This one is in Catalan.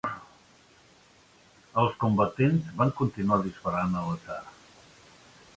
Els combatents van continuar disparant a l'atzar.